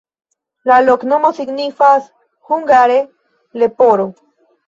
La loknomo signifas hungare: leporo.